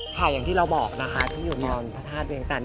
อย่างที่เราบอกนะคะที่อยู่นอนพระธาตุเวียงจันท